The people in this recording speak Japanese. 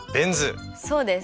そうです。